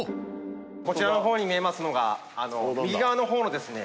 こちらの方に見えますのが右側の方のですね